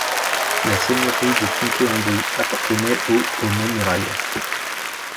La seigneurie de Condé-en-Brie appartenait au aux Montmirail.